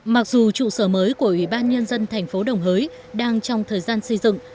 mặc dù trụ sở mới của ủy ban nhân dân tp đồng hới đang trong thời gian xây dựng